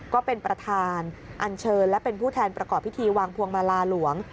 ก็เป็นประธานอันเชิญและเป็นผู้แทนประกอบพิธีวางพวงมาลาหลวง